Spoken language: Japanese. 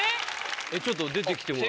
ちょっと出てきてもらう。